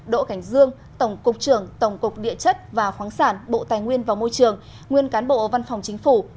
đỗ cảnh dương tổng cục trưởng tổng cục địa chất và khoáng sản bộ tài nguyên và môi trường nguyên cán bộ văn phòng chính phủ